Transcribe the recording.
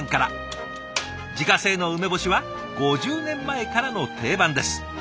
自家製の梅干しは５０年前からの定番です。